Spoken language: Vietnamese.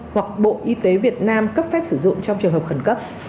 hoặc bộ y tế việt nam cấp phép sử dụng trong trường hợp khẩn cấp